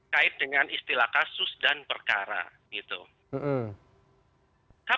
ketika di januari pancasila begitu saja